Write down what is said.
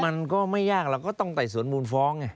มันก็ไม่ยากแล้วก็ต้องแต่สวนมูลฟ้อง